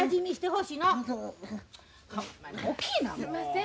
すんません。